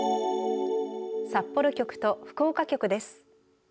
札幌局と福岡局です。